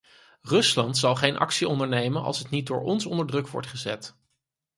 Rusland zal geen actie ondernemen als het niet door ons onder druk wordt gezet.